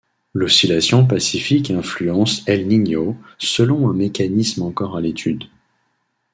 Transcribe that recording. L’oscillation Pacifique influence El Niño selon un mécanisme encore à l’étude.